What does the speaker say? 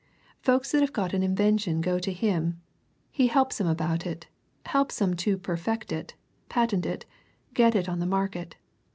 Folks that have got an invention go to him he helps 'em about it helps 'em to perfect it, patent it, get it on the market.